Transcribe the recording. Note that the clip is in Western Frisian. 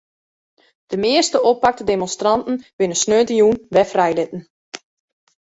De measte oppakte demonstranten binne sneontejûn wer frijlitten.